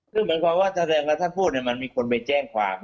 คือเหมือนความว่าแสดงว่าถ้าพูดมันมีคนไปแจ้งความ